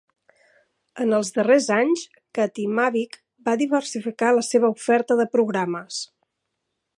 En els darrers anys, Katimavik va diversificar la seva oferta de programes.